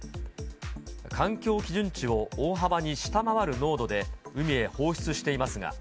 環境基準値を大幅に下回る濃度で海へ放出していますが。